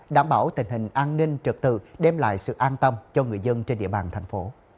đảm bảo tình hình an ninh trật tự đem lại sự an tâm cho người dân trên địa bàn thành phố